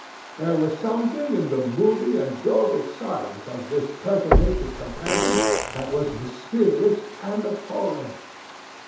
There was something in the moody and dogged silence of this pertinacious companion that was mysterious and appalling.